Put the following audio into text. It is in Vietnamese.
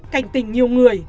cảnh tỉnh nhiều người